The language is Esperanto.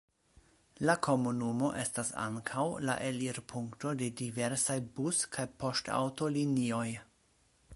La komunumo estas ankaŭ la elirpunkto de diversaj bus- kaj poŝtaŭtolinioj.